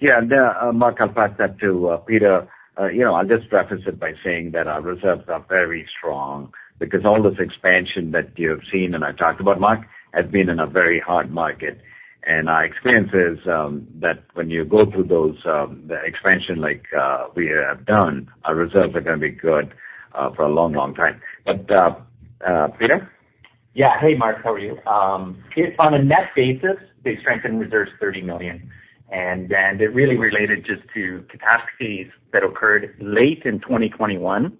Yeah. No, Mark, I'll pass that to Peter. You know, I'll just preface it by saying that our reserves are very strong because all this expansion that you've seen, and I talked about Mark, has been in a very hard market. Our experience is that when you go through those, the expansion like we have done, our reserves are gonna be good for a long, long time. But Peter? Yeah. Hey, Mark, how are you? On a net basis, they strengthened reserves $30 million. It really related just to catastrophes that occurred late in 2021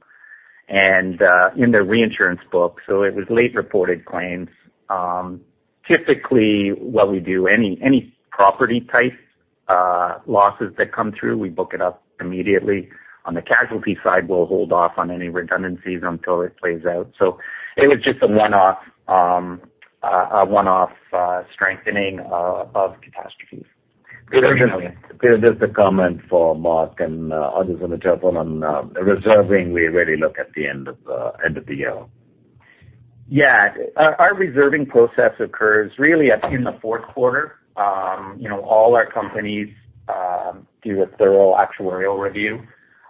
and in the reinsurance book. It was late reported claims. Typically, what we do, any property type losses that come through, we book it up immediately. On the casualty side, we'll hold off on any redundancies until it plays out. It was just a one-off strengthening of catastrophes. Peter, just a comment for Mark and others on the telephone. On the reserving we really look at the end of the year. Our reserving process occurs really in the fourth quarter. You know, all our companies do a thorough actuarial review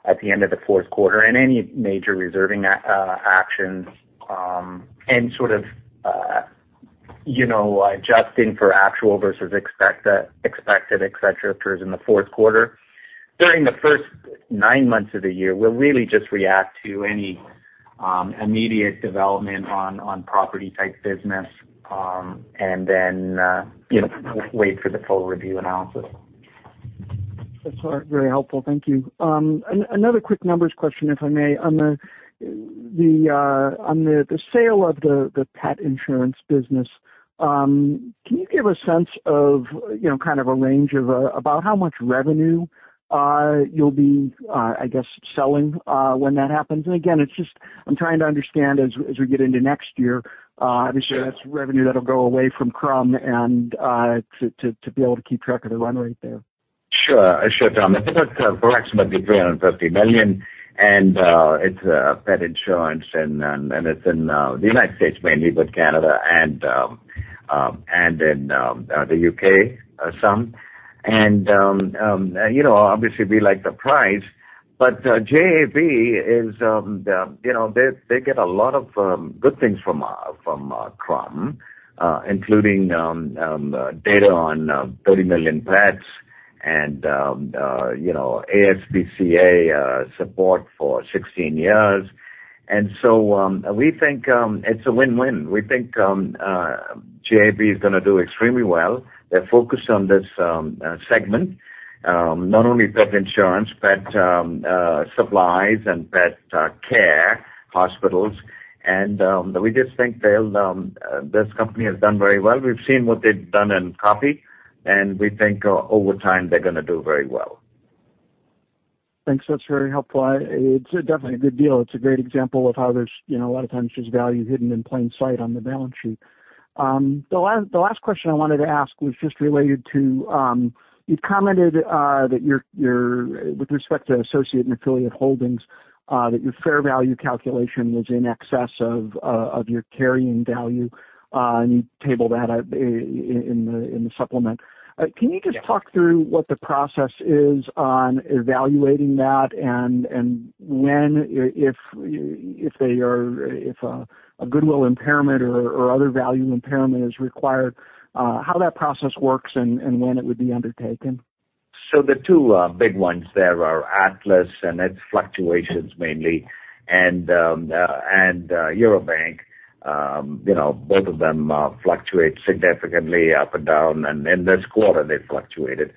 at the end of the fourth quarter, and any major reserving actions and sort of, you know, adjusting for actual versus expected, et cetera, occurs in the fourth quarter. During the first nine months of the year, we'll really just react to any immediate development on property-type business, and then, you know, wait for the full review analysis. That's very helpful. Thank you. Another quick numbers question, if I may. On the sale of the pet insurance business, can you give a sense of kind of a range of about how much revenue you'll be I guess selling when that happens? Again, it's just I'm trying to understand as we get into next year, obviously that's revenue that'll go away from Crum & Forster to be able to keep track of the run rate there. Sure, Tom. I think it's approximately $350 million, and it's pet insurance and it's in the United States mainly, but Canada and in the UK some. You know, obviously we like the price. JAB is the, you know, they get a lot of good things from Crum & Forster, including data on 30 million pets and, you know, ASPCA support for 16 years. We think it's a win-win. We think JAB is gonna do extremely well. They're focused on this segment, not only pet insurance, pet supplies and pet care hospitals. We just think this company has done very well. We've seen what they've done in coffee, and we think over time, they're gonna do very well. Thanks. That's very helpful. It's definitely a good deal. It's a great example of how there's, you know, a lot of times there's value hidden in plain sight on the balance sheet. The last question I wanted to ask was just related to you commented that your with respect to associate and affiliate holdings that your fair value calculation was in excess of your carrying value and you tabled that in the supplement. Yeah. Can you just talk through what the process is on evaluating that and when if they are a goodwill impairment or other value impairment is required, how that process works and when it would be undertaken? The two big ones there are Atlas and its fluctuations mainly, and Eurobank, you know, both of them fluctuate significantly up and down. In this quarter, they fluctuated.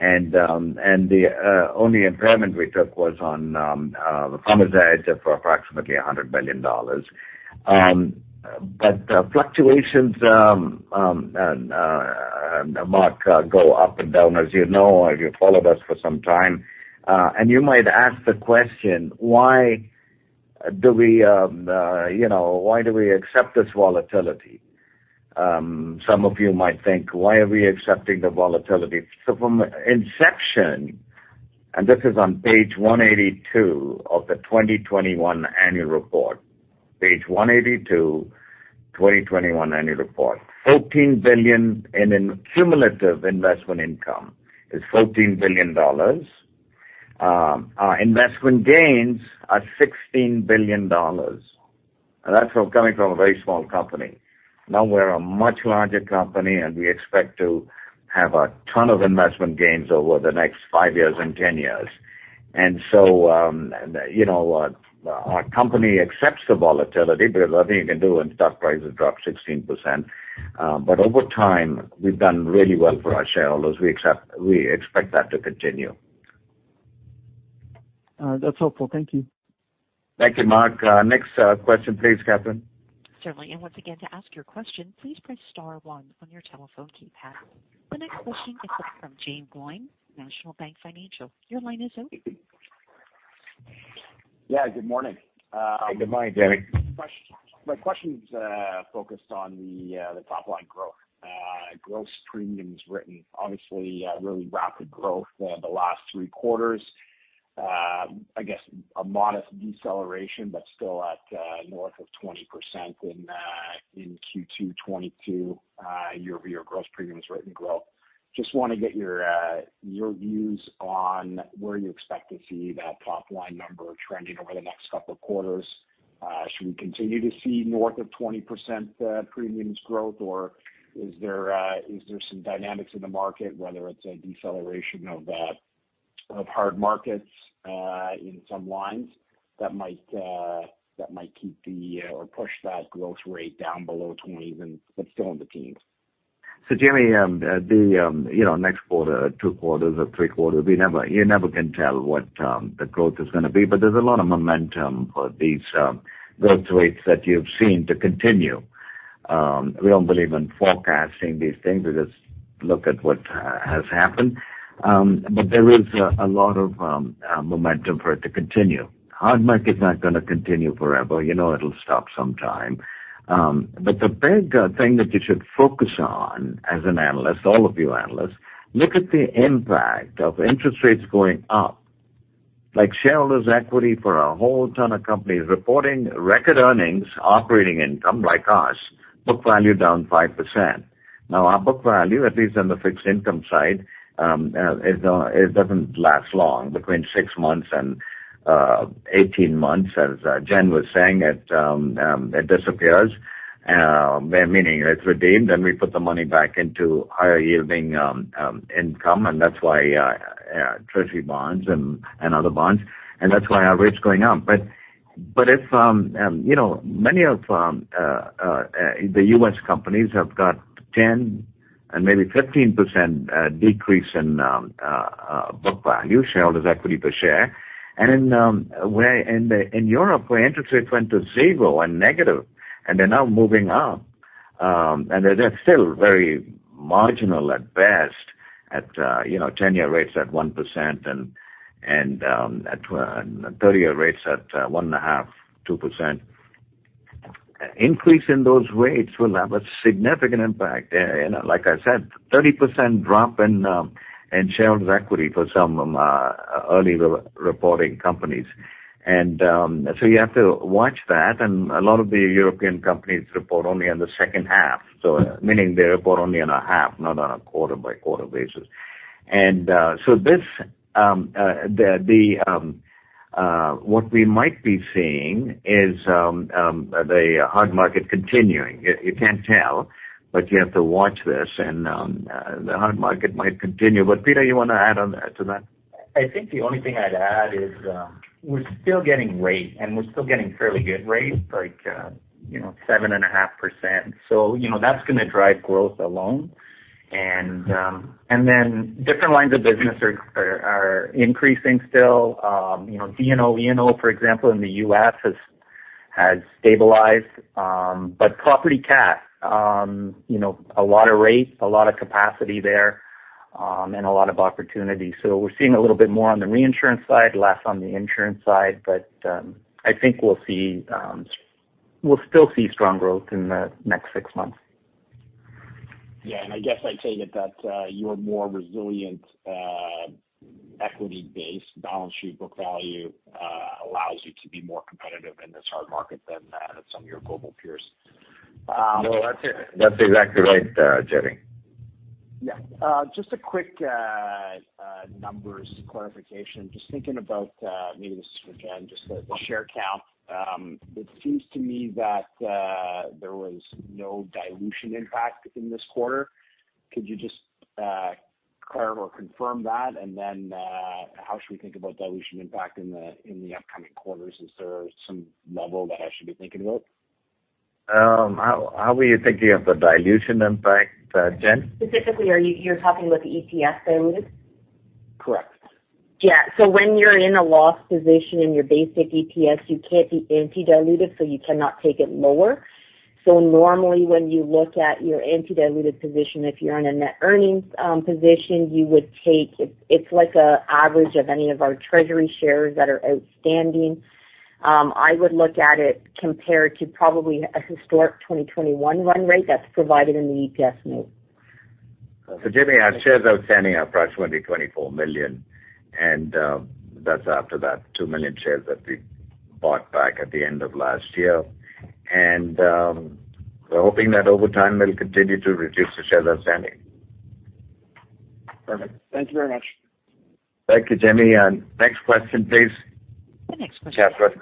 The only impairment we took was on the Farmers Edge for approximately $100 million. But fluctuations and Mark go up and down, as you know, you followed us for some time, and you might ask the question, why do we you know, why do we accept this volatility. Some of you might think, why are we accepting the volatility. From inception, and this is on page 182 of the 2021 annual report, page 182, 2021 annual report. 14 billion in cumulative investment income is $14 billion. Our investment gains are $16 billion, and that's coming from a very small company. Now we're a much larger company, and we expect to have a ton of investment gains over the next five years and 10 years. You know, our company accepts the volatility. There's nothing you can do when stock prices drop 16%. But over time, we've done really well for our shareholders. We expect that to continue. All right. That's helpful. Thank you. Thank you, Mark. Next, question, please, Catherine. Certainly. Once again, to ask your question, please press star one on your telephone keypad. The next question is from Jaeme Gloyn, National Bank Financial. Your line is open. Yeah, good morning. Good morning, Jaeme. My question's focused on the top line growth. Gross premiums written obviously really rapid growth over the last three quarters. I guess a modest deceleration but still at north of 20% in Q2 2022 year-over-year gross premiums written growth. Just wanna get your views on where you expect to see that top line number trending over the next couple of quarters. Should we continue to see north of 20% premiums growth, or is there some dynamics in the market, whether it's a deceleration of hard markets in some lines that might keep or push that growth rate down below 20 even, but still in the teens? Jaeme, you know, next quarter, two quarters or three quarters, we never, you never can tell what the growth is gonna be, but there's a lot of momentum for these growth rates that you've seen to continue. We don't believe in forecasting these things. We just look at what has happened. But there is a lot of momentum for it to continue. Hard market is not gonna continue forever. You know, it'll stop sometime. But the big thing that you should focus on as an analyst, all of you analysts, look at the impact of interest rates going up, like shareholders' equity for a whole ton of companies reporting record earnings, operating income like us, book value down 5%. Now, our book value, at least on the fixed income side, it doesn't last long, between six months and 18 months. As Jen was saying, it disappears, meaning it's redeemed, and we put the money back into higher yielding income, and that's why treasury bonds and other bonds, and that's why our rate's going up. If you know, many of the U.S. companies have got 10 and maybe 15% decrease in book value, shareholders' equity per share. Where in Europe interest rates went to zero and negative and they're now moving up, and they're just still very marginal at best at, you know, 10-year rates at 1% and at 30-year rates at 1.5, 2%. Increase in those rates will have a significant impact. You know, like I said, 30% drop in shareholders' equity for some early re-reporting companies. You have to watch that. A lot of the European companies report only on the second half, so meaning they report only on a half, not on a quarter-by-quarter basis. What we might be seeing is the hard market continuing. You can't tell, but you have to watch this. The hard market might continue. Peter, you wanna add on to that? I think the only thing I'd add is, we're still getting rate, and we're still getting fairly good rates, like, you know, 7.5%. You know, that's gonna drive growth alone. Then different lines of business are increasing still. You know, D&O, E&O, for example, in the U.S. has stabilized. Property CAT, you know, a lot of rate, a lot of capacity there, and a lot of opportunity. We're seeing a little bit more on the reinsurance side, less on the insurance side. I think we'll still see strong growth in the next six months. I guess I'd say that your more resilient equity base balance sheet book value allows you to be more competitive in this hard market than some of your global peers. No, that's exactly right, Jaeme. Yeah. Just a quick numbers clarification. Just thinking about, maybe this is for Jen, just the share count. It seems to me that there was no dilution impact in this quarter. Could you just clarify or confirm that? Then, how should we think about dilution impact in the upcoming quarters? Is there some level that I should be thinking about? How were you thinking of the dilution impact, Jen? Specifically, you're talking about the EPS diluted? Correct. Yeah. When you're in a loss position in your basic EPS, you can't be anti-diluted, so you cannot take it lower. Normally, when you look at your anti-diluted position, if you're in a net earnings position, you would take it. It's like an average of any of our treasury shares that are outstanding. I would look at it compared to probably a historic 2021 run rate that's provided in the EPS note. Jamie, our shares outstanding are approximately 24 million, and that's after that two million shares that we bought back at the end of last year. We're hoping that over time we'll continue to reduce the shares outstanding. Perfect. Thank you very much. Thank you, Jaeme. Next question, please. The next question. Catherine.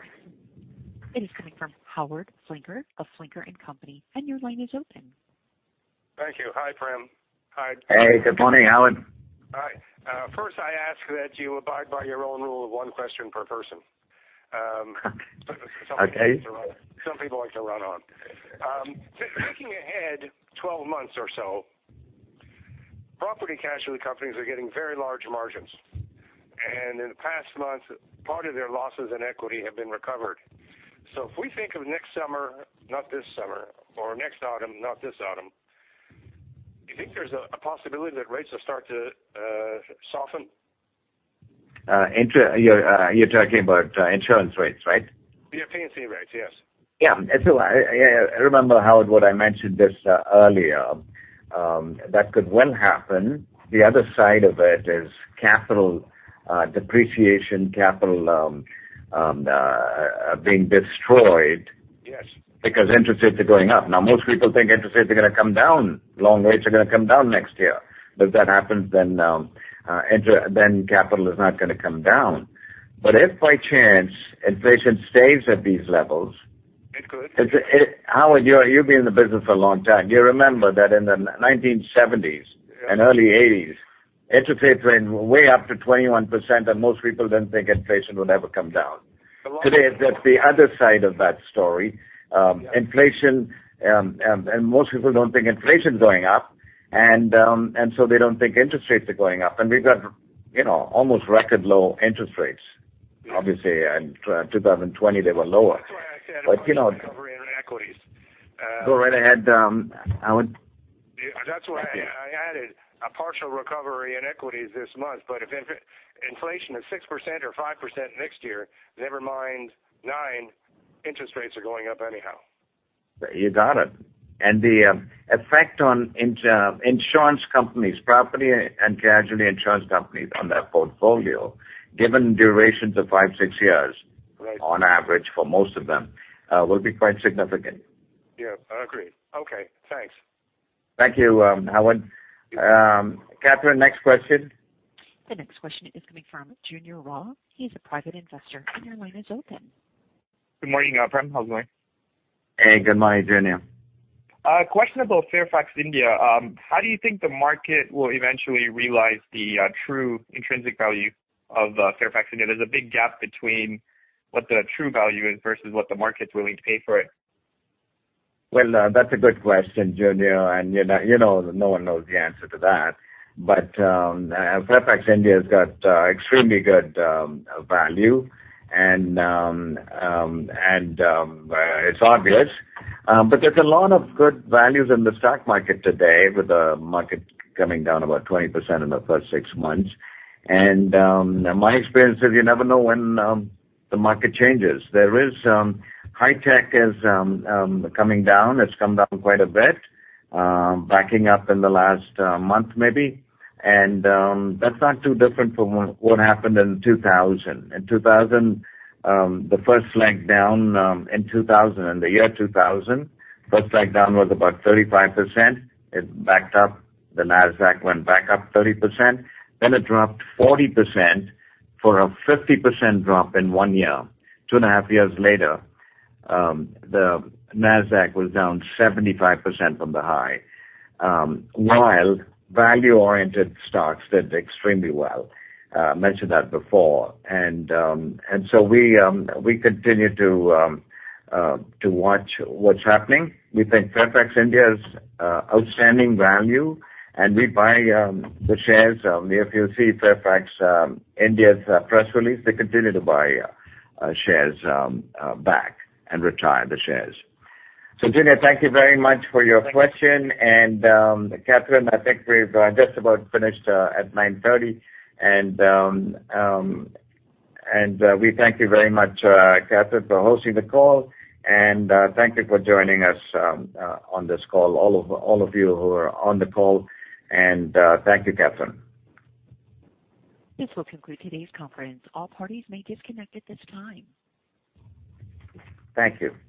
It is coming from Howard Flinker of Flinker and Company. Your line is open. Thank you. Hi, Prem. Hey, good morning, Howard. Hi. First, I ask that you abide by your own rule of one question per person. Okay. Some people like to run on. Looking ahead 12 months or so, property casualty companies are getting very large margins. In the past months, part of their losses and equity have been recovered. If we think of next summer, not this summer, or next autumn, not this autumn, you think there's a possibility that rates will start to soften? You're talking about insurance rates, right? The P&C rates, yes. Yeah. I remember Howard, what I mentioned this earlier, that could well happen. The other side of it is capital depreciation, capital being destroyed. Yes Because interest rates are going up. Now, most people think interest rates are gonna come down, loan rates are gonna come down next year. If that happens, then capital is not gonna come down. If by chance inflation stays at these levels. It could Howard, you've been in the business a long time. You remember that in the 1970s. Yeah. Early eighties, interest rates went way up to 21%, and most people didn't think inflation would ever come down. A lot. Today, that's the other side of that story. Yeah. Inflation, and most people don't think inflation's going up, and so they don't think interest rates are going up. We've got, you know, almost record low interest rates. Yeah. Obviously, in 2020, they were lower. That's why I said. You know. a partial recovery in equities. Go right ahead, Howard. Yeah. That's why I added a partial recovery in equities this month. If inflation is 6% or 5% next year, nevermind 9%, interest rates are going up anyhow. You got it. The effect on insurance companies, property and casualty insurance companies on their portfolio, given durations of five, six years. Right... on average for most of them, will be quite significant. Yeah, I agree. Okay, thanks. Thank you, Howard. Catherine, next question. The next question is coming from He's a private investor, and your line is open. Good morning, Prem. How's it going? Hey, good morning, Junior. A question about Fairfax India. How do you think the market will eventually realize the true intrinsic value of Fairfax India? There's a big gap between what the true value is versus what the market's willing to pay for it. Well, that's a good question, Junior. You know, no one knows the answer to that. Fairfax India's got extremely good value. It's obvious. There's a lot of good values in the stock market today with the market coming down about 20% in the first six months. My experience is you never know when the market changes. High tech is coming down. It's come down quite a bit, backing up in the last month maybe. That's not too different from what happened in 2000. In 2000, the first leg down was about 35%. It backed up. The Nasdaq went back up 30%, then it dropped 40% for a 50% drop in one year. Two and a half years later, the Nasdaq was down 75% from the high, while value-oriented stocks did extremely well. Mentioned that before. We continue to watch what's happening. We think Fairfax India is outstanding value, and we buy the shares. If you see Fairfax India's press release, they continue to buy shares back and retire the shares. Junior, thank you very much for your question. Catherine, I think we've just about finished at 9:30. We thank you very much, Catherine, for hosting the call. Thank you for joining us on this call, all of you who are on the call. Thank you, Catherine. This will conclude today's conference. All parties may disconnect at this time. Thank you.